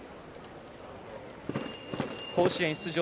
甲子園出場